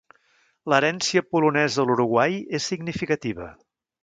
L'herència polonesa a l'Uruguai és significativa.